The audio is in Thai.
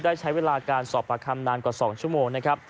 ได้ใช้เวลาการสอบปากคำนานกว่า๒ชั่วโมงนะครับ